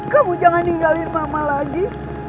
kamu jangan tinggalin mama lagi